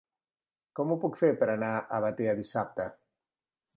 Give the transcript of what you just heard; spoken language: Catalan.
Com ho puc fer per anar a Batea dissabte?